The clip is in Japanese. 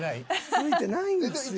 付いてないんですよ。